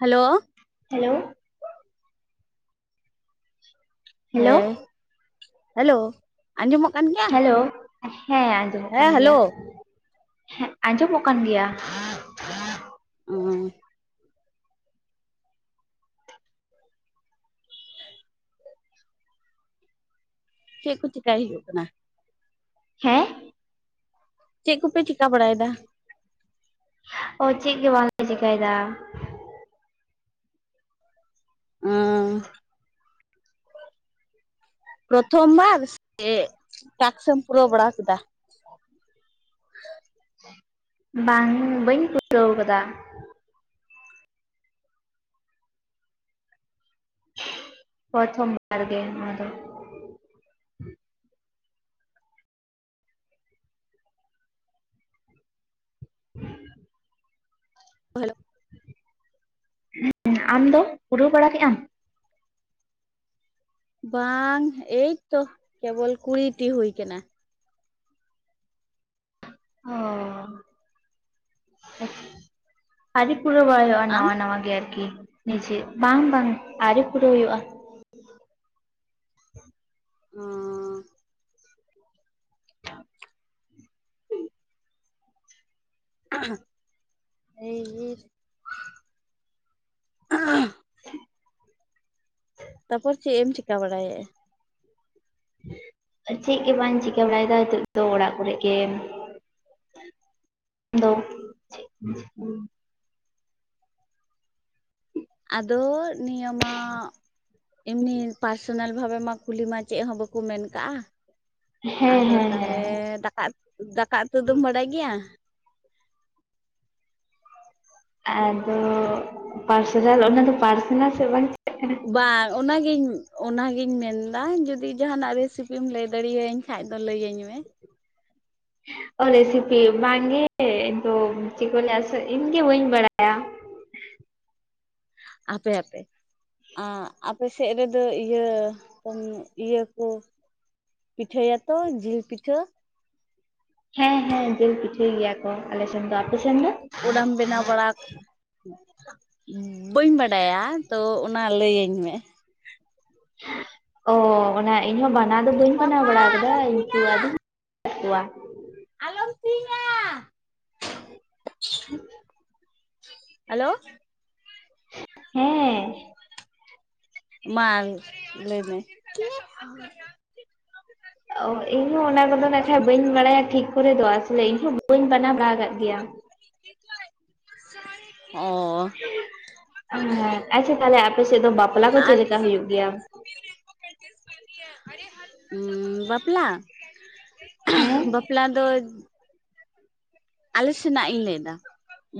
Hello hello hello ᱦᱮᱸ hello ᱟᱸᱡᱚᱢᱚᱜ ᱠᱟᱱ ᱜᱮᱭᱟ ᱦᱮᱞᱳ ᱦᱮᱸ ᱟᱸᱡᱚᱢᱚᱜ ᱠᱟᱱ ᱦᱮᱸ ᱦᱮᱞᱳ ᱜᱮᱭᱟ- ᱟᱸᱡᱚᱢᱚᱜ ᱠᱟᱱ ᱜᱮᱭᱟ᱾ ᱦᱚᱸ ᱪᱮᱫ ᱠᱚ ᱪᱮᱠᱟᱭ ᱦᱩᱭᱩᱜ ᱠᱟᱱᱟ? ᱦᱮᱸᱻ ᱪᱮᱫ ᱠᱚᱯᱮ ᱪᱤᱠᱟ ᱵᱟᱲᱟᱭᱫᱟ? ᱪᱮᱫ ᱜᱮ ᱵᱟᱝᱞᱮ ᱪᱮᱠᱟᱭᱫᱟ᱾ ᱦᱚᱸ ᱯᱨᱚᱛᱷᱚᱢ ᱵᱟᱨ ᱥᱮ ᱴᱟᱠᱥ ᱮᱢ ᱯᱩᱨᱟᱹᱣ ᱵᱟᱲᱟ ᱠᱮᱫᱟ᱾ ᱵᱟᱝ ᱵᱟᱹᱧ ᱯᱩᱨᱟᱹᱣ ᱠᱟᱫᱟ᱾ ᱯᱨᱚᱛᱷᱚᱢ ᱵᱟᱨ ᱜᱮ ᱱᱚᱣᱟ ᱫᱚ ᱪᱮᱫ ᱦᱚᱸ ᱵᱟᱝ ᱟᱸᱡᱚᱢᱚᱜ ᱠᱟᱱᱟ ᱾ ᱦᱮᱞᱳ ᱟᱢ ᱫᱚ ᱯᱩᱨᱟᱹᱣ ᱵᱟᱲᱟ ᱠᱮᱜ ᱟᱢ? ᱵᱟᱝ ᱮᱭᱛᱚ ᱠᱮᱵᱚᱞ ᱠᱩᱲᱤᱴᱤ ᱦᱩᱭ ᱠᱟᱱᱟ᱾ ᱚ ᱟᱹᱣᱨᱤ ᱯᱩᱨᱟᱹᱣ ᱵᱟᱲᱟᱭᱚᱜ-ᱟ᱾ ᱟᱢ ᱱᱟᱣᱟ-ᱱᱟᱣᱟ ᱜᱮ ᱟᱨᱠᱤ ᱱᱤᱡᱮᱨ ᱵᱟᱝ-ᱵᱟᱝ ᱟᱹᱣᱨᱤ ᱯᱩᱨᱟᱹᱣ ᱦᱩᱭᱩᱜᱼᱟ ᱾ ᱚ ᱪᱮᱫ ᱦᱚᱸ ᱵᱟᱝ ᱟᱸᱡᱚᱢᱚᱜ ᱴᱷᱤᱠᱟᱹᱜ ᱠᱟᱱᱟ ᱛᱟᱯᱚᱨ ᱪᱮᱫ ᱮᱢ ᱪᱤᱠᱠᱟ ᱵᱟᱲᱟᱭᱮᱫᱼᱟ ᱾ ᱪᱮᱫ ᱜᱮ ᱵᱟᱹᱧ ᱪᱤᱠᱟᱹ ᱵᱟᱲᱟᱭᱮᱫᱟ ᱱᱤᱛᱚᱜ ᱫᱚ ᱚᱲᱟᱜ ᱠᱚᱨᱮᱜ ᱜᱮ, ᱫᱚ ᱦᱩᱸ ᱟᱫᱚ ᱱᱤᱭᱟᱹ ᱢᱟ ᱮᱢᱱᱤ ᱯᱟᱨᱥᱚᱱᱟᱞ ᱵᱷᱟᱵᱮ ᱢᱟ, ᱠᱩᱞᱤ ᱢᱟ ᱪᱮᱫ ᱦᱚᱸ ᱵᱟᱠᱚ ᱢᱮᱱ ᱠᱟᱜᱼᱟ ᱦᱮᱸ ᱟᱫᱚ ᱦᱮᱸ ᱦᱮᱸ ᱛᱟᱦᱚᱞᱮ ᱫᱟᱠᱟ, ᱩᱛᱩ ᱫᱟᱠᱟ ᱩᱛᱩ ᱫᱚᱢ ᱵᱟᱲᱟᱭ ᱜᱮᱭᱟ? ᱟᱫᱚ ᱯᱟᱨᱥᱚᱱᱟᱞ ᱚᱱᱟ ᱫᱚ ᱯᱟᱨᱥᱚᱱᱟᱞ ᱥᱮᱫ ᱵᱟᱝ ᱪ ᱵᱟᱝ ᱚᱱᱟᱜᱤᱧ-ᱚᱱᱟᱜᱤᱧ ᱢᱮᱱᱫᱟ ᱡᱩᱫᱤ ᱡᱟᱦᱟᱱᱟᱜ ᱨᱮᱥᱤᱯᱤᱢ ᱞᱟᱹᱭ ᱫᱟᱲᱮᱭᱟᱹᱧ ᱵᱟᱠᱷᱟᱡ ᱫᱚ ᱞᱟᱹᱭᱟᱹᱧ ᱢᱮ ᱚ ᱨᱮᱥᱤᱯᱤ ᱵᱟᱝᱜᱮ ᱤᱧ ᱫᱚ ᱪᱮᱫ ᱠᱚ ᱞᱟᱹᱭᱟ ᱥᱮ ᱤᱧᱜᱮ ᱵᱟᱹᱧ ᱵᱟᱲᱟᱭᱟ ᱟᱯᱮ-ᱟᱯᱮ, ᱟᱯᱮ ᱥᱮᱫ ᱨᱮᱫᱚ ᱤᱭᱟᱹ-ᱤᱭᱟᱹ ᱠᱚ ᱯᱤᱴᱷᱟᱹᱭᱟ ᱠᱚ ᱡᱤᱞ ᱯᱤᱴᱷᱟᱹ? ᱦᱮᱸᱻᱦᱮᱸᱻ ᱡᱤᱞ ᱯᱤᱴᱷᱟᱹᱭ ᱜᱮᱭᱟ ᱠᱚ ᱟᱞᱮ ᱥᱮᱱ ᱫᱚ ᱟᱯᱮ ᱥᱮᱱ ᱫᱚ? ᱯᱚᱲᱟᱢ ᱵᱮᱱᱟᱣ ᱵᱟᱲᱟ ᱵᱟᱹᱧ ᱵᱟᱰᱟᱭᱟ ᱛᱚ ᱚᱱᱟ ᱞᱟᱹᱭᱟᱹᱧ ᱢᱮ ᱚ ᱚᱱᱟ ᱤᱧ ᱦᱚᱸ ᱵᱟᱱᱟᱣ ᱫᱚ ᱵᱟᱹᱧ ᱵᱮᱟᱱᱟᱣ ᱵᱟᱲᱟ ᱠᱟᱫᱟ ᱠᱤᱱᱛᱩ ᱟᱫᱚ ᱠᱚᱣᱟ ᱟᱞ ᱥᱤᱝᱼᱧᱟ ᱾ [unintelligible] ᱦᱮᱞᱳ ᱦᱮᱸ ᱢᱟᱞ ᱞᱟᱹᱭ ᱢᱮ ᱾ ᱚ ᱤᱧ ᱦᱚᱸ ᱚᱱᱟ ᱠᱚᱫᱚ ᱱᱟᱱᱟᱜ ᱠᱷᱟᱡ ᱵᱟᱹᱧ ᱵᱟᱲᱟᱭᱟ ᱴᱷᱤᱠ ᱠᱚᱨᱮ ᱫᱚ ᱟᱥᱚᱞᱮ ᱤᱧᱦᱚᱸ ᱵᱟᱹᱧ ᱵᱟᱱᱟᱣ ᱵᱟᱲᱟ ᱟᱠᱟᱫ ᱜᱮᱭᱟ ᱾ ᱚᱸᱻ ᱦᱮᱸ, ᱟᱪᱪᱷᱟ ᱛᱟᱦᱞᱮ ᱟᱯᱮ ᱥᱮᱫ ᱫᱚ ᱵᱟᱯᱞᱟ ᱠᱚ ᱪᱮᱫᱞᱮᱠᱟ ᱦᱩᱭᱩᱜ ᱜᱮᱭᱟ ᱾ [unintelligible] ᱟᱢᱻ ᱵᱟᱯᱞᱟ, ᱦᱮᱸ ᱵᱟᱯᱞᱟ ᱫᱚ ᱟᱞᱮ ᱥᱮᱱᱟᱜ ᱤᱧ ᱞᱟᱹᱭ ᱮᱫᱟ,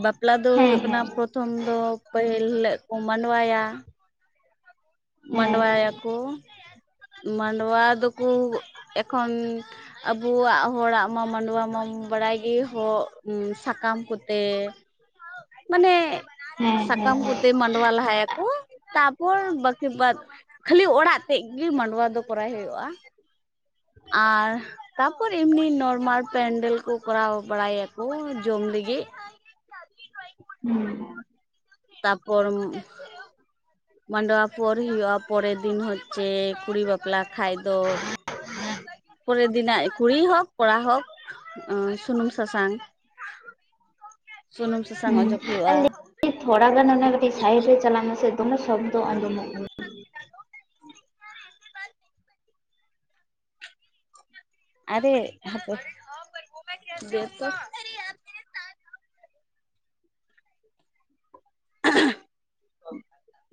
ᱵᱟᱯᱞᱟ ᱫᱚ ᱦᱮᱸ ᱦᱩᱭᱩᱜ ᱠᱟᱱᱟ ᱦᱮᱸ ᱯᱨᱚᱛᱷᱚᱢ ᱫᱚ ᱯᱟᱹᱦᱤᱞ ᱦᱤᱞᱳᱜ ᱠᱚ ᱢᱟᱱᱲᱣᱟᱭᱟ, ᱦᱮᱸ ᱢᱟᱱᱲᱣᱟᱭᱟᱠᱚ ᱢᱟᱱᱲᱣᱟ ᱫᱚᱠᱚ ᱮᱠᱷᱚᱱ ᱟᱵᱚᱣᱟᱜ ᱦᱚᱲᱟᱜ ᱢᱟ ᱢᱟᱰᱣᱟ ᱢᱟᱢ ᱵᱟᱲᱟᱭ ᱜᱮ ᱦᱚ ᱥᱟᱠᱟᱢ ᱠᱚᱛᱮ ᱢᱟᱱᱮ, ᱦᱮᱸ ᱦᱮᱸ ᱥᱟᱠᱟᱢ ᱦᱮᱸ ᱠᱚᱛᱮ ᱢᱟᱱᱲᱣᱟ ᱞᱟᱦᱟᱭᱟᱠᱚ ᱛᱯᱚᱨ ᱠᱷᱮᱵᱟᱫᱽ ᱠᱷᱟᱹᱞᱤ ᱚᱲᱟᱜ ᱛᱮᱫ ᱜᱮ ᱢᱟᱱᱲᱣᱟ ᱫᱚ ᱠᱚᱨᱟᱣ ᱦᱩᱭᱩᱜᱼᱟ, ᱟᱨ ᱛᱟᱯᱚᱨ ᱮᱢᱱᱤ ᱱᱚᱨᱢᱟᱞ ᱯᱮᱱᱰᱮᱞ ᱠᱚ ᱠᱚᱨᱟᱣ ᱵᱟᱲᱟᱭᱟᱠᱚ ᱡᱚᱢ ᱞᱟᱹᱜᱤᱫ ᱾ ᱦᱩᱸ ᱾ ᱛᱟᱯᱚᱨ ᱢ ᱢᱟᱱᱲᱣᱟ ᱯᱚᱨ ᱦᱩᱭᱩᱜᱼᱟ ᱯᱚᱨᱮᱨ ᱫᱤᱱ ᱦᱚᱪᱪᱮᱻ ᱠᱩᱲᱤ ᱵᱟᱯᱞᱟ ᱠᱷᱟ ᱫᱚ, ᱯᱚᱨᱮ ᱫᱤᱱᱟᱜ ᱠᱩᱲᱤ ᱦᱚᱠ, ᱠᱚᱲᱟ ᱦᱚᱠ ᱥᱩᱱᱩᱢ ᱥᱟᱥᱟᱝ ᱟᱸ ᱦᱩᱸ ᱥᱟᱥᱟᱝ ᱚᱡᱚᱜ ᱦᱩᱭᱩᱜᱼᱟ [unintelligible] ᱛᱷᱚᱲᱟ ᱜᱟᱱ ᱚᱱᱟ ᱠᱟᱹᱴᱤᱡ ᱥᱟᱭᱤᱰ ᱨᱮ ᱪᱟᱞᱟᱜ ᱢᱮᱥᱮ ᱫᱚᱢᱮ ᱥᱚᱵᱽᱫᱚ ᱟᱸᱡᱚᱢᱚᱜ ᱠᱟᱱᱟ ᱾ ᱟᱨᱮ ᱦᱟᱯᱮ, ᱫᱮ ᱛᱚ [unintelligible]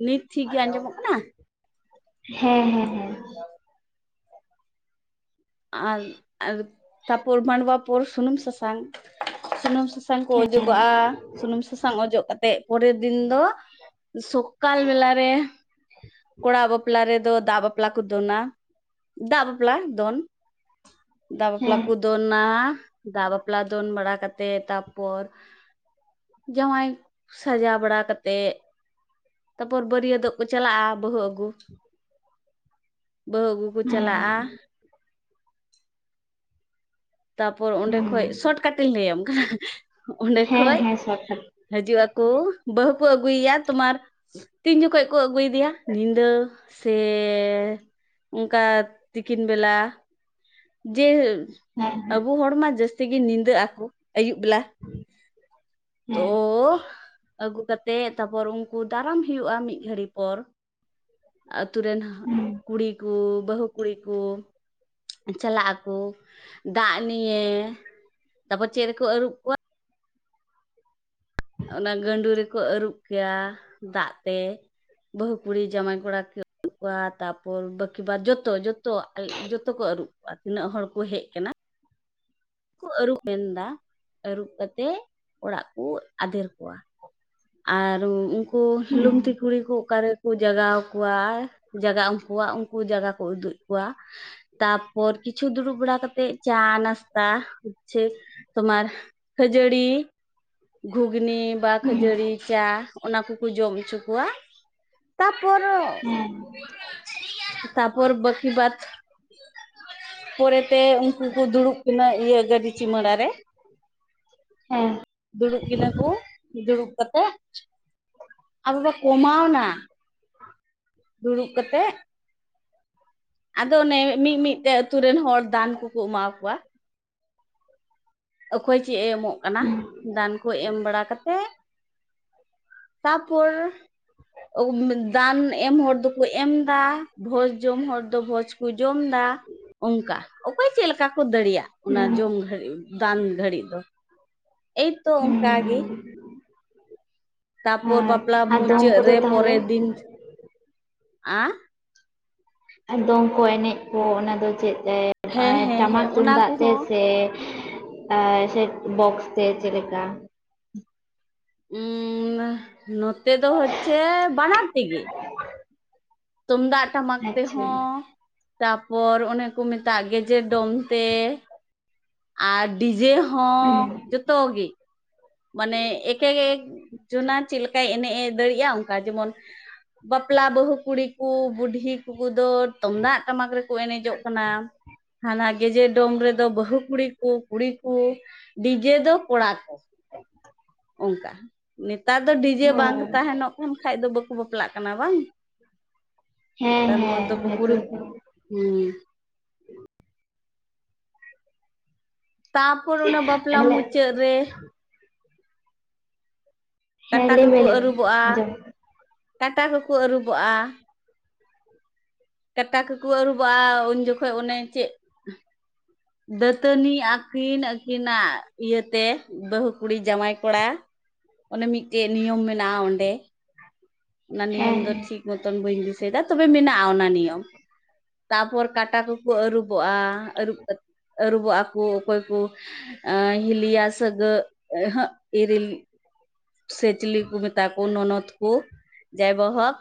ᱱᱤᱛ ᱴᱷᱤᱠᱜᱮ ᱟᱸᱡᱚᱢᱚᱜ ᱠᱟᱱᱟ? ᱦᱮᱸ ᱦᱮᱸ ᱦᱮᱸ ᱾ ᱟᱨ ᱟᱨ, ᱛᱟᱯᱚᱨ ᱢᱟᱱᱲᱣᱟ ᱯᱚᱨ ᱥᱩᱱᱩᱢ ᱥᱟᱥᱟᱝ ᱥᱩᱱᱩᱢ ᱥᱟᱥ ᱥᱟᱝ ᱠᱚ ᱚᱡᱚᱜᱚᱜ-ᱟ ᱥᱩᱱᱩᱢ ᱥᱟᱥᱟᱝ ᱚᱡᱚᱜ ᱠᱟᱛᱮᱜ ᱯᱚᱨᱮᱨ ᱫᱤᱱ ᱫᱚ ᱥᱚᱠᱟᱞ ᱵᱮᱞᱟ ᱨᱮ ᱠᱚᱲᱟ ᱵᱟᱯᱞᱟ ᱨᱮᱫᱚ ᱫᱟ ᱵᱟᱯ ᱞᱟ ᱠᱚ ᱫᱚᱱᱟ, ᱫᱟᱜ ᱵᱟᱯᱞᱟ ᱫᱚᱱ ᱫᱟᱜ ᱵᱟᱯᱞᱟ ᱦᱮᱸ ᱠᱚ ᱫᱚᱱᱟ ᱫᱟᱜ ᱵᱟᱯᱞᱟ ᱫᱚᱱ ᱵᱟᱲᱟ ᱠᱟᱛᱮᱜ ᱛᱟᱯᱚᱨ ᱡᱟᱶᱟᱭ ᱥᱟᱡᱟᱣ ᱵᱟᱲᱟ ᱠᱟᱛᱮᱜ ᱛᱟᱯᱚᱨ ᱵᱟᱹᱨᱭᱟᱹᱛᱚᱜ ᱠᱚ ᱪᱟᱞᱟᱜ-ᱟ ᱵᱟᱹᱦᱩ ᱟᱹᱜᱩ, ᱵᱟᱹᱦᱩ ᱟᱹᱜᱩ ᱠᱚ ᱦᱮᱸ ᱦᱮᱸ ᱪᱟᱞᱟᱜ-ᱟ᱾ ᱛᱟᱨᱯᱚᱨ ᱚᱸᱰᱮ ᱦᱩᱸ ᱠᱷᱚᱡ, ᱥᱚᱨᱴ ᱠᱟᱴᱤᱧ ᱞᱟᱹᱭᱟᱢ ᱠᱟᱱᱟ ᱚᱸᱰᱮ ᱦᱮᱸ ᱠᱷᱚᱡ ᱦᱮᱸ ᱥᱚᱴ ᱠᱟᱴ ᱦᱤᱡᱩᱜ ᱟᱠᱚ ᱵᱟᱹᱦᱩ ᱠᱚ ᱟᱹᱜᱩᱭᱮᱭᱟ ᱛᱳᱢᱟᱨ ᱛᱤᱱ ᱡᱚᱠᱷᱚᱡ ᱠᱚ ᱟᱹᱜᱩᱭᱮᱫᱤᱭᱟ, ᱧᱤᱫᱟᱹ ᱥᱮ ᱚᱱᱠᱟ ᱛᱤᱠᱤᱱ ᱵᱮᱞᱟ ᱡᱮᱞ ᱦᱮᱸ ᱦᱮᱸ ᱟᱵᱚ ᱦᱚᱲᱢᱟ ᱡᱟᱹᱥᱛᱤ ᱜᱮ ᱧᱤᱫᱟᱹᱜ ᱟᱠᱚ ᱟᱹᱭᱩᱵ ᱵᱮᱞᱟ ᱛᱚ ᱦᱮᱸ ᱟᱹᱜᱩ ᱠᱟᱛᱮᱜ ᱛᱟᱨᱯᱚᱨ ᱩᱱᱠᱩ ᱫᱟᱨᱟᱢ ᱦᱩᱭᱩᱜ-ᱟ ᱢᱤᱫ ᱜᱷᱟᱹᱲᱤ ᱯᱚᱨ ᱟᱹᱛᱩ ᱨᱮᱱ ᱦᱩᱸ ᱠᱩᱲᱤ ᱠᱚ ᱵᱟᱹᱦᱩ ᱠᱩᱲᱤ ᱠᱚ ᱪᱟᱞᱟᱜ ᱟᱠᱚ ᱫᱟᱜ ᱱᱤᱭᱮ ᱛᱟᱯᱚᱨ ᱪᱮᱫ ᱨᱮᱠᱚ ᱟᱹᱨᱩᱵ ᱠᱚᱣᱟ ᱚᱱᱟ ᱜᱟᱹᱰᱩ ᱨᱮᱠᱚ ᱟᱹᱨᱩᱵ ᱠᱮᱭᱟ ᱫᱟᱜ ᱛᱮ ᱵᱟᱹᱦᱩ ᱠᱩᱲᱤ ᱡᱟᱶᱟᱭ ᱠᱚᱲᱟ [unintelligible] ᱠᱚᱣᱟ ᱛᱟᱯᱚᱨ ᱵᱟᱠᱤ ᱵᱟᱫ ᱡᱚᱛᱚ ᱡᱚᱛ ᱛᱚ ᱡᱚᱛᱚ ᱠᱚ ᱟᱹᱨᱩᱵ ᱠᱚᱣᱟ ᱛᱤᱱᱟᱹᱜ ᱦᱚᱲ ᱠᱚ ᱦᱮᱡ ᱟᱠᱟᱱᱟ ᱠᱚ ᱟᱹᱨᱩᱵ ᱢᱮᱱᱫᱟ, ᱟᱹᱨᱩᱵ ᱠᱟᱛᱮᱫ ᱚᱲᱟᱜ ᱠᱚ ᱟᱫᱮᱨ ᱠᱚᱣᱟ ᱟᱨ ᱩᱱᱠᱩ ᱦᱩᱸ ᱞᱩᱝᱛᱤ ᱠᱩᱲᱤ ᱠᱚ ᱚᱠᱟᱨᱮᱠᱚ ᱡᱟᱜᱟᱣ ᱠᱚᱣᱟ ᱡᱟᱜᱟ ᱩᱱᱠᱩᱣᱟ ᱩᱱᱠᱩ ᱡᱟᱜᱟ ᱠᱚ ᱩᱫᱩᱜ ᱠᱚᱣᱟ ᱛᱟᱯᱚᱨ ᱠᱩᱪᱷᱩ ᱫᱩᱲᱩᱵ ᱵᱟᱲᱟ ᱠᱟᱛᱮᱜ ᱪᱟ ᱱᱟᱥᱛᱟ ᱤᱪᱪᱷᱟᱹ ᱛᱳᱢᱟᱨ ᱠᱷᱟᱹᱡᱟᱹᱲᱤ, ᱜᱷᱩᱜᱽᱱᱤ ᱵᱟ ᱠᱷᱟᱹ ᱦᱩᱸ ᱦᱮᱸ ᱪᱟ, ᱚᱱᱟ ᱠᱚᱠᱚ ᱡᱚᱢ ᱚᱪᱚ ᱠᱚᱣᱟ, ᱛᱟᱯᱚᱨ ᱦᱮᱸ᱾ [inaudible] ᱛᱟᱯᱚᱨ ᱵᱟᱠᱤ ᱵᱟᱫ᱾ [inaudible] ᱯᱚᱨᱮᱛᱮ ᱩᱱᱠᱩ ᱠᱩ ᱫᱩᱲᱩᱵ ᱠᱤᱱᱟ ᱤᱭᱟᱹ ᱜᱟᱹᱰᱤ ᱪᱩᱢᱟᱹᱲᱟ ᱨᱮ, ᱦᱮᱸ᱾ ᱫᱩᱲᱩᱵ ᱠᱤᱱᱟ ᱠᱚ ᱫᱩᱲᱩᱵ ᱠᱟᱛᱮᱜ ᱟᱫᱚ ᱯᱮ ᱠᱚᱢᱟᱣᱱᱟ, ᱫᱩᱲᱩᱵ ᱠᱟᱛᱮᱜ ᱟᱫᱚ ᱚᱱᱮ ᱢᱤᱫ ᱢᱤᱫᱴᱮᱡ ᱟᱛᱳ ᱨᱮᱱ ᱦᱚᱲ ᱫᱟᱱ ᱠᱚᱠᱚ ᱮᱢᱟ ᱠᱚᱣᱟ, ᱚᱠᱚᱭ ᱪᱮᱫ ᱮ ᱮᱢᱚᱜ ᱠᱟᱱᱟ, ᱫᱟᱱ ᱠᱚ ᱮᱢ ᱵᱟᱲᱟ ᱠᱟᱛᱮᱜ ᱛᱟᱯᱚᱨ ᱫᱟᱱ ᱮᱢ ᱦᱚᱲ ᱫᱚ ᱠᱚ ᱮᱢ ᱫᱟ, ᱵᱷᱚᱡᱽ ᱡᱚᱢ ᱦᱚᱲ ᱫᱚ ᱵᱷᱚᱡᱽ ᱠᱚ ᱡᱚᱢ ᱫᱟ, ᱚᱝᱠᱟ, ᱚᱠᱚᱭ ᱪᱮᱫᱠᱟ ᱠᱚ ᱫᱟᱲᱤᱭᱟᱜ ᱚᱱᱟ ᱦᱩᱸ ᱡᱚᱢ ᱜᱷᱟᱹᱲᱤᱡ ᱫᱟᱱ ᱜᱷᱟᱹᱲᱤᱡ ᱫᱚ᱾ ᱮᱭᱛᱚ ᱚᱱᱠᱟ ᱜᱮ, ᱦᱩᱸ ᱛᱟᱯᱚᱨ ᱦᱮᱸ ᱵᱟᱯᱞᱟ ᱟᱨ ᱫᱚᱝ ᱢᱩᱪᱟᱹᱫ ᱠᱚᱫᱚ ᱨᱮ ᱛᱟᱦᱚᱞᱮ ᱯᱚᱨᱮᱨ ᱫᱤᱱ ᱟᱸ ᱟᱨ ᱫᱚᱝ ᱠᱚ ᱮᱱᱮᱡ ᱠᱚ ᱚᱱᱟ ᱫᱚ ᱪᱮᱫ ᱮ ᱦᱮᱸ ᱟᱨ ᱦᱮᱸ ᱴᱟᱢᱟᱠ ᱦᱮᱸ ᱚᱱᱟ ᱛᱩᱢᱫᱟᱜ ᱛᱮ ᱠᱚᱦᱚᱸ ᱥᱮ ᱟᱨ ᱥᱮ ᱵᱚᱠᱥ ᱛᱮ ᱪᱮᱫ ᱞᱮᱠᱟ? ᱩᱻ, ᱱᱚᱛᱮ ᱫᱚ ᱦᱚᱪᱪᱷᱮ ᱵᱟᱱᱟᱨ ᱛᱮᱜᱮ᱾ ᱛᱩᱢᱫᱟᱜ ᱴᱟᱢᱟᱠ ᱛᱮ ᱟᱪᱪᱷᱟ ᱦᱚᱸ, ᱛᱟᱯᱚᱨ ᱚᱱᱮ ᱠᱚ ᱢᱮᱛᱟᱜ ᱜᱮ ᱡᱮ ᱰᱚᱢ ᱛᱮ, ᱟᱨ ᱰᱤᱡᱮ ᱦᱚᱸ ᱦᱩᱸ ᱡᱚᱛᱚ ᱜᱮ᱾ ᱢᱟᱱᱮ ᱮᱠᱮ ᱜᱮ ᱮᱠ ᱡᱚᱱᱟ ᱪᱮᱫ ᱞᱮᱠᱟᱭ ᱮᱱᱮᱡ ᱮ ᱫᱟᱲᱮᱭᱟᱜ-ᱟ ᱚᱱᱠᱟ ᱡᱮᱢᱚᱱ ᱵᱟᱯᱞᱟ ᱵᱟᱹᱦᱩ ᱠᱩᱲᱤ ᱠᱩ ᱵᱩᱰᱷᱤ ᱩᱱᱠᱩ ᱠᱩᱫᱚ ᱛᱩᱢᱫᱟᱜ ᱴᱟᱢᱟᱠ ᱨᱮᱠᱚ ᱮᱱᱮᱡᱚᱜ ᱠᱟᱱᱟ, ᱦᱟᱱᱟ ᱜᱤᱡᱮ ᱰᱚᱢ ᱨᱮᱫᱚ ᱵᱟᱹᱦᱩ ᱠᱩᱲᱤ ᱠᱩ ᱠᱩᱲᱤ ᱠᱩ, ᱰᱤᱡᱮ ᱫᱚ ᱠᱚᱲᱟ ᱠᱚ ᱚᱝᱠᱟ, ᱱᱮᱛᱟᱨ ᱫᱚ ᱰᱤᱡᱮ ᱚ ᱵᱟᱝ ᱛᱟᱦᱮᱸᱱᱚᱜ ᱛᱟᱦᱮᱱ ᱠᱷᱟᱡ ᱫᱚ ᱵᱟᱠᱚ ᱵᱟᱯᱞᱟᱜ ᱠᱟᱱᱟ ᱵᱟᱝ, ᱦᱮᱸ ᱛᱟᱨ ᱦᱮᱸ ᱢᱚᱫᱽᱫᱷᱮ ᱦᱮᱸᱛᱚ [unintelligible] ᱛᱚ ᱦᱩᱸ᱾ ᱛᱟᱯᱚᱨ ᱚᱱᱟ ᱵᱟᱯᱞᱟ ᱟᱞᱮ ᱢᱩᱪᱟᱹᱫ ᱨᱮ ᱦᱮᱸ ᱠᱟᱴᱟ ᱞᱟᱹᱭ ᱢᱮ ᱠᱚᱠᱚ ᱞᱟᱹᱭ ᱢᱮ ᱟᱹᱨᱩᱵᱚᱜᱼᱟ, ᱟᱸᱡᱚᱢ ᱠᱟᱴᱟ ᱠᱚᱠᱚ ᱟᱹᱨᱩᱵᱚᱜᱼᱟ, ᱠᱟᱴᱟ ᱠᱚᱠᱚ ᱟᱹᱨᱩᱵᱚᱜᱼᱟ ᱩᱱ ᱡᱚᱠᱷᱚᱱ ᱚᱱᱮ ᱪᱮᱫ ᱫᱟᱹᱛᱟᱹᱱᱤᱜ ᱟᱹᱠᱤᱱ ᱟᱹᱠᱤᱱᱟᱜ ᱤᱭᱟᱹᱛᱮ ᱵᱟᱹᱦᱩ ᱠᱩᱲᱤ ᱡᱟᱶᱟᱭ ᱠᱚᱲᱟ᱾ ᱚᱱᱮ ᱢᱤᱫᱴᱮᱡ ᱱᱤᱭᱚᱢ ᱢᱮᱱᱟᱜᱼᱟ ᱚᱸᱰᱮ [inaudible] ᱚᱱᱟ ᱱᱤᱭᱚᱢ ᱫᱚ ᱴᱷᱤᱠ ᱢᱚᱛᱚᱱ ᱵᱟᱹᱧ ᱫᱤᱥᱟᱹᱭᱮᱫᱟ ᱛᱚᱵᱮ ᱢᱮᱱᱟᱜᱼᱟ ᱚᱱᱟ ᱱᱤᱭᱚᱢ, ᱛᱟᱯᱚᱨ ᱠᱟᱴᱟ ᱠᱚ ᱠᱚ ᱟᱹᱨᱩᱵᱚᱜᱼᱟ ᱟᱹᱨᱩᱵ ᱠᱟᱛ ᱟᱹᱨᱩᱵᱚᱜᱼᱟ ᱠᱚ ᱚᱠᱚᱭ ᱠᱚ ᱟᱸ ᱦᱤᱞᱤᱭᱟ ᱥᱟᱹᱜᱟᱹᱜ ᱟᱹ ᱦᱟᱹᱜ ᱤᱨᱤᱞ ᱥᱮ ᱪᱤᱞᱤ ᱠᱚ ᱢᱮᱛᱟ ᱠᱚ ᱱᱚᱱᱚᱛ ᱠᱩ ᱡᱟᱭ ᱵᱚᱦᱚᱠ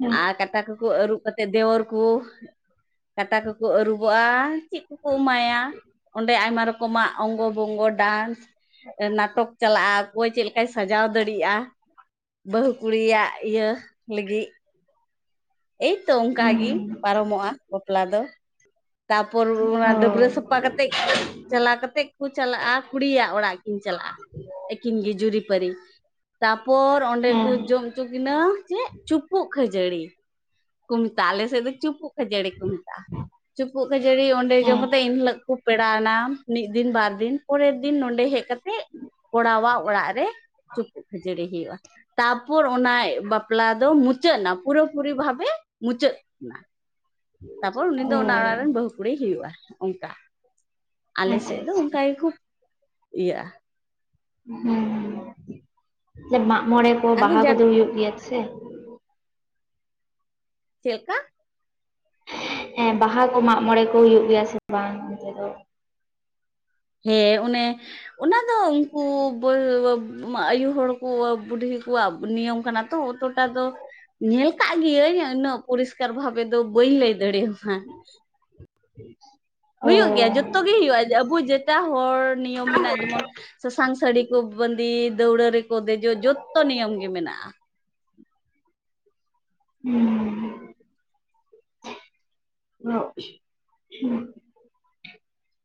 ᱦᱮᱸ ᱟᱨ ᱠᱟᱴᱟ ᱠᱚ ᱠᱚ ᱟᱹᱨᱩᱵ ᱠᱟᱛᱮᱫ ᱫᱮᱣᱟᱹᱨ ᱠᱩ ᱠᱟᱴᱟ ᱠᱚᱠᱚ ᱟᱹᱨᱩᱵᱚᱜᱼᱟ, ᱪᱮᱫ ᱠᱚᱠᱚ ᱮᱢᱟᱭᱟ, ᱚᱸᱰᱮ ᱟᱭᱢᱟ ᱨᱚᱠᱚᱢᱟᱜ ᱚᱝᱜᱚ ᱵᱚᱝᱜᱚ ᱰᱟᱱᱥ ᱱᱟᱴᱚᱠ ᱪᱟᱞᱟᱜᱼᱟ᱾ ᱚᱠᱚᱭ ᱪᱮᱫ ᱞᱮᱠᱟᱭ ᱥᱟᱡᱟᱣ ᱫᱟᱲᱮᱭᱟᱜᱼᱟ, ᱵᱟᱹᱦᱩ ᱠᱩᱲᱤᱭᱟᱜ ᱤᱭᱟᱹ ᱞᱟᱹᱜᱤᱜ᱾ [inaudible] ᱮᱭᱛᱚ ᱚᱝᱠᱟ ᱦᱮᱸ ᱜᱤ ᱦᱩᱸ ᱯᱟᱨᱚᱢᱚᱜᱼᱟ ᱵᱟᱯᱞᱟ ᱫᱚ᱾ ᱛᱟᱯᱚᱨ ᱚᱱᱟ ᱚ ᱰᱟᱹᱵᱨᱟᱹ ᱥᱟᱯᱷᱟ ᱠᱟᱛᱮᱫ [inaudible] ᱪᱟᱞᱟᱣ ᱠᱟᱛᱮᱜ ᱠᱚ ᱪᱟᱞᱟᱜᱼᱟ ᱠᱩᱲᱤᱭᱟᱜ ᱚᱲᱟᱜ ᱠᱤᱱ ᱪᱟᱞᱟᱜᱼᱟ, ᱟᱹᱠᱤᱱ ᱜᱮ ᱡᱩᱨᱤᱯᱟᱨᱤ ᱛᱟᱯᱚᱨ ᱚᱸᱰᱮ ᱦᱮᱸ ᱠᱚ ᱡᱚᱢ ᱪᱩ ᱠᱤᱱᱟᱹ ᱡᱮ ᱪᱩᱯᱩᱜ ᱠᱷᱟᱹᱡᱟᱹᱲᱤ, ᱠᱚ ᱢᱮᱛᱟᱜᱼᱟ ᱟᱞᱮ ᱥᱮᱫ ᱫᱚ ᱪᱩᱯᱩᱜ ᱠᱷᱟᱹᱡᱟᱹᱲᱤ ᱠᱚ ᱢᱮᱛᱟᱜᱼᱟ, ᱪᱩᱯᱩᱜ ᱠᱷᱟᱹᱡᱟᱹᱲᱤ ᱚᱸᱰᱮ ᱡᱚᱢ ᱦᱮᱸ ᱠᱟᱛᱮᱫ ᱮᱱ ᱦᱤᱞᱳᱜ ᱠᱚ ᱯᱮᱲᱟᱣ ᱮᱱᱟᱢ ᱢᱤᱫ ᱫᱤᱱ ᱵᱟᱨ ᱫᱤᱱ ᱯᱚᱨᱮᱨ ᱫᱤᱱ ᱱᱚᱰᱮ ᱦᱮᱡ ᱠᱟᱛᱮᱜ ᱠᱚᱲᱟᱣᱟᱜ ᱚᱲᱟᱜ ᱨᱮ ᱪᱩᱯᱩᱜ ᱠᱷᱟᱹᱡᱟᱹᱲᱤ ᱦᱩᱭᱩᱜᱼᱟ, ᱛᱟᱯᱚᱨ ᱚᱱᱟ ᱵᱟᱯᱞᱟ ᱫᱚ ᱢᱩᱪᱟᱹᱫᱼᱼ ᱢᱩᱪᱟᱹᱫ ᱮᱱᱟ ᱯᱩᱨᱟᱹ ᱯᱩᱨᱤ ᱵᱷᱟᱵᱮ ᱢᱩᱪᱟᱹᱫ ᱮᱱᱟ, ᱛᱟᱨᱯᱚᱨ ᱩᱱᱤ ᱚ ᱫᱚ ᱚᱱᱟ ᱚᱲᱟᱜ ᱨᱮᱱ ᱵᱟᱹᱦᱩ ᱠᱩᱲᱤᱭ ᱦᱩᱭᱩᱜᱼᱟ ᱚᱱᱠᱟ᱾ ᱟᱞᱮ ᱟᱪᱪᱷᱟ ᱥᱮᱫ ᱫᱚ ᱟᱪᱪᱷᱟ ᱚᱱᱠᱟ ᱜᱮᱠᱚ ᱤᱭᱟᱹᱜᱼᱟ ᱦᱩᱸ [unintelligible] ᱢᱟᱜᱢᱚᱬᱮ ᱠᱚ ᱟᱫᱚ ᱵᱟᱦᱟ ᱡᱟᱠ ᱠᱚᱫᱚ ᱦᱩᱭᱩᱜ ᱜᱮᱭᱟ ᱥᱮ? ᱪᱮᱫ ᱞᱮᱠᱟ? ᱮ ᱵᱟᱦᱟ ᱠᱚ ᱢᱟᱜ ᱢᱚᱬᱮ ᱠᱚ ᱦᱩᱭᱩᱜ ᱜᱮᱭᱟ ᱥᱮ ᱵᱟᱝ ᱚᱱᱛᱮ ᱫᱚ? ᱦᱮᱸ ᱚᱱᱮ ᱚᱱᱟ ᱫᱚ ᱩᱱᱠᱩ ᱟᱭᱩ ᱦᱚᱲ ᱠᱚ ᱵᱩᱰᱷᱤ ᱠᱚᱣᱟᱜ ᱱᱤᱭᱚᱢ ᱠᱟᱱᱟ᱾ ᱚᱛᱚ ᱴᱟ ᱫᱚ ᱧᱮᱞ ᱟᱠᱟᱫ ᱜᱤᱭᱟᱹᱧ ᱩᱱᱟᱹᱜ ᱯᱚᱨᱤᱥᱠᱟᱨ ᱵᱷᱟᱵᱮ ᱫᱚ ᱵᱟᱹᱧ ᱞᱟᱹᱭ ᱫᱟᱲᱮᱭᱟᱢᱟ᱾ [unintelligible] ᱦᱩᱭᱩᱜ ᱜᱮᱭᱟ ᱡᱚᱛᱚ ᱜᱮ ᱦᱩᱭᱩᱜᱼᱟ, ᱟᱵᱚ ᱡᱮᱴᱟ ᱦᱚᱲ ᱱᱤᱭᱚᱢ ᱢᱮᱱᱟᱜᱼᱟ ᱡᱮᱢᱚᱱ ᱥᱟᱥᱟᱝ ᱥᱟᱹᱲᱤ ᱠᱚ ᱵᱟᱸᱫᱮ ᱫᱟᱹᱣᱲᱟᱹ ᱨᱮᱠᱚ ᱫᱮᱡᱚᱜ ᱡᱚᱛᱚ ᱱᱤᱭᱚᱢ ᱜᱮ ᱢᱮᱱᱟᱜᱼᱟ᱾ ᱦᱩᱸ [unintelligible]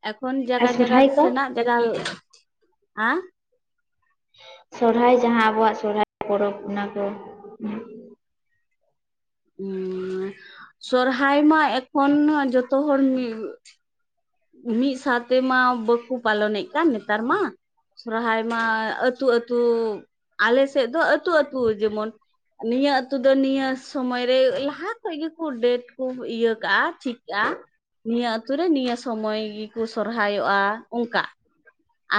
ᱮᱠᱷᱚᱱ ᱟᱨ ᱡᱟᱭᱜᱟ ᱡᱟᱭᱜᱟ ᱥᱚᱨᱦᱟᱭ ᱥᱮ ᱠᱚ ᱨᱮᱱᱟᱜ ᱡᱟᱭᱜᱟ ᱦᱮ [unintelligible] ᱥᱚᱨᱦᱟᱭ ᱡᱟᱦᱟᱸ ᱟᱵᱚᱣᱟᱜ ᱥᱚᱨᱦᱟᱭ ᱯᱚᱨᱚᱵᱽ ᱚᱱᱟ ᱠᱚ ᱥᱚᱨᱦᱟᱭ ᱢᱟ ᱮᱠᱷᱚᱱ ᱡᱚᱛᱚ ᱦᱚᱲ ᱢᱤᱫ ᱢᱤᱫ ᱥᱟᱶᱛᱮᱢᱟ ᱵᱟᱠᱚ ᱯᱟᱞᱚᱱᱮᱫ ᱠᱟᱱ ᱱᱮᱛᱟᱨ ᱢᱟ, ᱥᱚᱨᱦᱟᱭ ᱢᱟ ᱟᱹᱛᱩ ᱟᱹᱛᱩ ᱟᱞᱮ ᱥᱮᱫ ᱫᱚ ᱟᱹᱛᱩ ᱟᱹᱛᱩ ᱡᱮᱢᱚᱱ ᱱᱤᱭᱟᱹ ᱟᱹᱛᱩ ᱫᱚ ᱱᱤᱭᱟᱹ ᱥᱚᱢᱚᱭᱨᱮ ᱞᱟᱦᱟ ᱠᱷᱚᱡ ᱜᱮᱠᱚ ᱰᱮᱴ ᱠᱚ ᱤᱭᱟᱹ ᱠᱟᱜᱼᱟ ᱴᱷᱤᱠ ᱠᱟᱜᱼᱟ᱾ ᱱᱤᱭᱟᱹ ᱟᱛᱩ ᱨᱮ ᱱᱤᱭᱟᱹ ᱥᱚᱢᱚᱭ ᱜᱮᱠᱚ ᱥᱚᱨᱦᱟᱭᱚᱜᱼᱟ ᱚᱱᱠᱟ᱾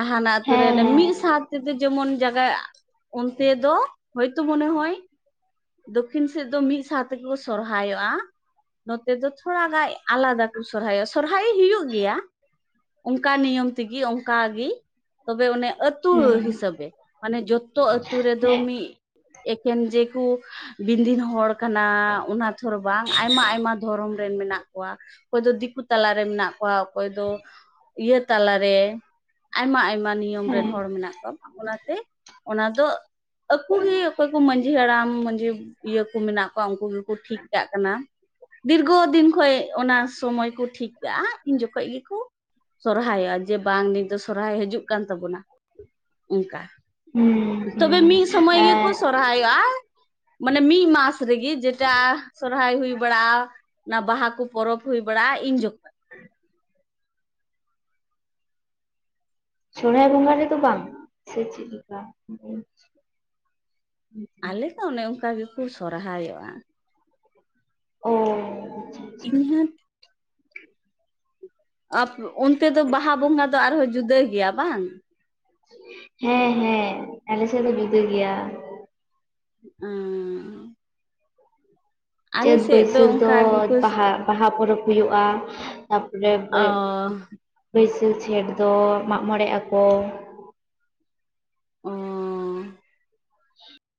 ᱦᱟᱱᱟ ᱟᱛᱩ ᱦᱮᱸ ᱨᱮᱱ ᱦᱮᱸ ᱢᱤᱫ ᱥᱟᱛ ᱚᱱᱛᱮ ᱡᱮᱢᱚᱱ ᱡᱟᱭᱜᱟ [unintelligible] ᱚᱱᱛᱮ ᱫᱚ ᱦᱚᱳᱭᱛᱳ ᱢᱚᱱᱮ ᱦᱚᱭ ᱫᱚᱠᱠᱷᱤᱱ ᱥᱮᱫ ᱫᱚ ᱢᱤᱫ ᱥᱟᱶ ᱛᱮᱜᱮ ᱠᱚ ᱥᱚᱨᱦᱟᱭᱚᱜᱼᱟ᱾ ᱱᱚᱛᱮ ᱫᱚ ᱛᱷᱚᱲᱟ ᱜᱟᱱ ᱟᱞᱟᱫᱟ ᱠᱚ ᱥᱚᱨᱦᱟᱭᱚᱜᱼᱟ ᱥᱚᱨᱦᱟᱭ ᱦᱩᱭᱩᱜ ᱜᱮᱭᱟ, ᱚᱱᱠᱟ ᱱᱤᱭᱚᱢ ᱚᱱᱠᱟᱜᱮ ᱛᱚᱵᱮ ᱚᱱᱮ ᱟᱹᱛᱩ ᱦᱤᱥᱟᱹᱵᱮ ᱢᱟᱱᱮ ᱡᱚᱛᱚ ᱟᱹᱛᱩ ᱨᱮᱫᱚ ᱦᱮᱸ ᱦᱮᱸ ᱢᱤᱫ ᱮᱠᱮᱱ ᱡᱮᱠᱚ ᱵᱤᱱᱫᱤᱱ ᱦᱚᱲ ᱠᱟᱱᱟ ᱚᱱᱟ ᱛᱚᱨ ᱵᱟᱝ ᱟᱭᱢᱟ ᱟᱭᱢᱟ ᱫᱷᱚᱨᱚᱢ ᱨᱮᱱ ᱢᱮᱱᱟᱜ ᱠᱚᱣᱟ ᱚᱠᱚᱭ ᱫᱚ ᱫᱤᱠᱩ ᱛᱟᱞᱟᱨᱮ ᱢᱮᱱᱟᱜ ᱠᱚᱣᱟ ᱚᱠᱚᱭ ᱫᱚ ᱤᱭᱟᱹ ᱛᱟᱞᱟᱨᱮ ᱟᱭᱢᱟ ᱟᱭᱢᱟ ᱱᱤᱭᱚᱢ ᱨᱮᱱ ᱦᱮᱸ ᱦᱚᱲ ᱢᱮᱱᱟᱜ ᱠᱚᱣᱟ ᱚᱱᱟᱛᱮ ᱚᱱᱟ ᱫᱚ ᱟᱠᱩ ᱜᱮ ᱚᱠᱚᱭ ᱠᱚ ᱢᱟᱺᱡᱷᱤ ᱦᱟᱲᱟᱢ ᱢᱟᱡᱷᱤ ᱤᱭᱟᱹ ᱠᱚ ᱢᱮᱱᱟᱜ ᱠᱚᱣᱟ ᱩᱱᱠᱩ ᱜᱮᱠᱚ ᱴᱷᱤᱠ ᱠᱟᱜ ᱠᱟᱱᱟ, ᱫᱤᱨᱜᱷᱚ ᱫᱤᱱ ᱠᱷᱚᱡ ᱚᱱᱟ ᱥᱚᱢᱚᱭ ᱠᱚ ᱴᱷᱤᱠ ᱠᱟᱜᱼᱟ ᱩᱱ ᱡᱚᱠᱷᱚᱡ ᱜᱮᱠᱚ ᱥᱚᱨᱦᱟᱭᱚᱜᱼᱟ ᱡᱮ ᱵᱟᱝ ᱱᱤᱛ ᱫᱚ ᱥᱚᱨᱦᱟᱭ ᱦᱤᱡᱩᱜ ᱠᱟᱱ ᱛᱟᱵᱚᱱᱟ ᱚᱱᱠᱟ, ᱦᱩᱸ ᱛᱚᱵᱮ ᱦᱩᱸ ᱦᱩᱸ ᱢᱤᱫ ᱥᱚᱢᱚᱭ ᱜᱮᱠᱚ ᱟᱨ ᱥᱚᱨᱦᱟᱭᱚᱜᱼᱟ᱾ ᱢᱟᱱᱮ ᱢᱤᱫ ᱢᱟᱥ ᱨᱮᱜᱮ ᱡᱮᱴᱟ ᱥᱚᱨᱦᱟᱭ ᱦᱩᱭ ᱵᱟᱲᱟᱜᱼᱟ᱾ ᱚᱱᱟ ᱵᱟᱦᱟ ᱠᱚ ᱯᱚᱨᱚᱵᱽ ᱦᱩᱭ ᱵᱟᱲᱟᱜᱼᱟ ᱤᱧ ᱡᱚᱠᱷᱚᱱ᱾ ᱥᱚᱨᱦᱟᱭ ᱵᱚᱸᱜᱟ ᱨᱮᱫᱚ ᱵᱟᱝ ᱥᱮ ᱪᱮᱫ ᱞᱮᱠᱟ? ᱟᱞᱮ ᱫᱚ ᱚᱱᱮ ᱚᱱᱠᱟ ᱜᱮᱠᱚ ᱥᱚᱨᱦᱟᱭᱚᱜᱼᱟ᱾ [inaudible] [unintelligible] ᱚᱱᱛᱮ ᱫᱚ ᱵᱟᱦᱟ ᱵᱚᱸᱜᱟ ᱫᱚ ᱟᱨᱦᱚᱸ ᱡᱩᱫᱟᱹ ᱜᱮᱭᱟ ᱵᱟᱝ? ᱦᱮᱸ ᱦᱮᱸ ᱟᱞᱮ ᱥᱮᱫ ᱫᱚ ᱡᱩᱫᱟᱹ ᱜᱮᱭᱟ᱾ [unintelligible] ᱟᱞᱮ ᱪᱟᱹᱛ ᱥᱮᱫ ᱵᱟᱹᱭᱥᱟᱹᱠᱷ ᱫᱚ ᱚᱱᱠᱟ ᱜᱮᱠᱚ ᱵᱟᱦᱟ᱾ ᱵᱟᱦᱟ ᱯᱚᱨᱚᱵᱽ ᱦᱩᱭᱩᱜᱼᱟ ᱛᱟᱯᱚᱨᱮ ᱚ ᱞᱮ ᱵᱟᱹᱭᱥᱟᱹᱠᱷ ᱡᱷᱮᱸᱴ ᱫᱚ ᱢᱟᱜ ᱢᱚᱬᱮᱜ ᱟᱠᱚ᱾ ᱚᱻ [inaudible]